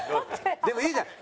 でもいいじゃん。